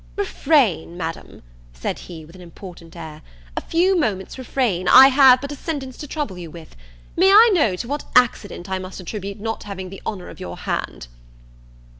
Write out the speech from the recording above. "Refrain Madam," said he, with an important air, "a few moments refrain! I have but a sentence to trouble you with. May I know to what accident I must attribute not having the honour of your hand?"